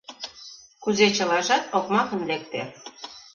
Кузе чылажат окмакын лекте!